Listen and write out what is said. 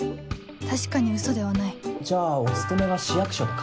確かにウソではないじゃあお勤めは市役所とか？